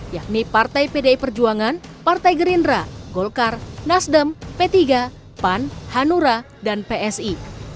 yakni partai pdi perjuangan partai gerindra golkar nasdem p tiga pan hanura dan psi